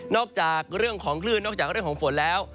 จากเรื่องของคลื่นนอกจากเรื่องของฝนแล้ว